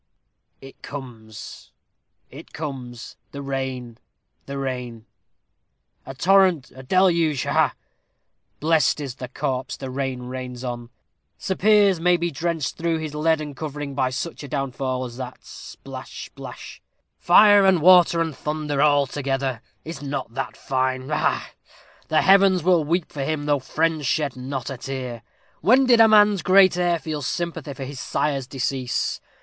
"It comes, it comes the rain the rain a torrent a deluge ha, ha! Blessed is the corpse the rain rains on. Sir Piers may be drenched through his leaden covering by such a downfall as that splash, splash fire and water and thunder, all together is not that fine? ha, ha! The heavens will weep for him, though friends shed not a tear. When did a great man's heir feel sympathy for his sire's decease?